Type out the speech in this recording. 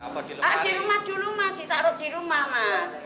di rumah dulu masih taruh di rumah mas